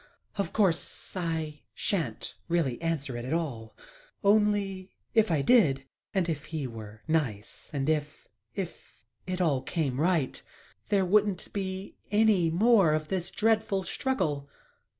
Of course I shan't really answer it at all only if I did and if he were nice and if it all came right there wouldn't be any more of this dreadful struggle!"